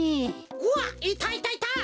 うわっいたいたいた！